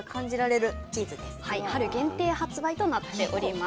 春限定発売となっております。